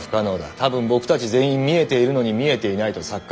多分僕たち全員見えているのに見えていないと錯覚させられてる。